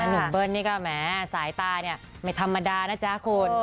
หนุ่มเปิ้ลนี่ก็แหมสายตาเนี่ยไม่ธรรมดานะจ๊ะคุณ